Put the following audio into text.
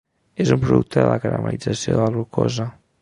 És un producte de la caramel·lització de la glucosa.